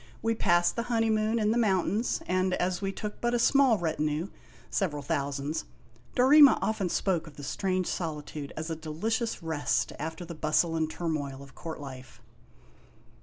We passed the honeymoon in the mountains, and as we took but a small retinue, several thousands, Dorema often spoke of the strange solitude as a delicious rest after the bustle and turmoil of court life.